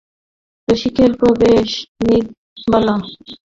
রসিকের প্রবেশ নীরবালা।